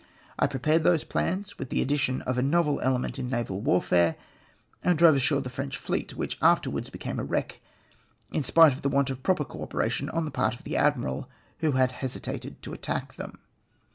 '' I prepared those plans, with the addition of a novel element in naval w^arfare, and drove ashore the French fleet, which afterwards became a wreck, in spite of the want of proper co operation on the part of the Admiral who had hesitated to attack them.